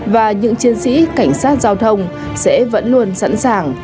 và những chiến sĩ cảnh sát giao thông sẽ vẫn luôn sẵn sàng